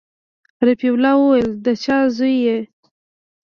رفيع الله وويل د چا زوى يې.